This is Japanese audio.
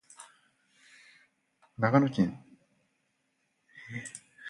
長野県立科町